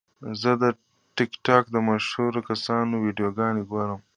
زه د ټک ټاک د مشهورو کسانو ویډیوګانې ګورم.